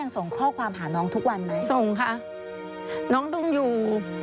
ส่งค่ะน้องต้องอยู่